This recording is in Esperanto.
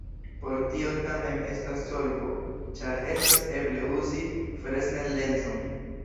Por tio tamen estas solvo, ĉar estas eble uzi Fresnel-lenson.